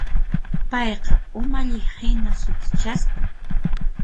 Payqa umalliqhina sutichasqa.